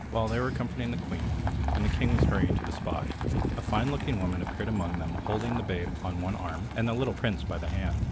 While they were comforting the young queen, and the king was hurrying to the spot, a fine looking woman appeared among them holding the babe on one arm and the little prince by the hand.